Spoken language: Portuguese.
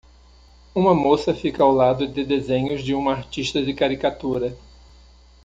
Uma moça fica ao lado de desenhos de uma artista de caricatura.